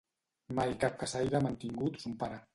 Mai cap caçaire ha mantingut son pare.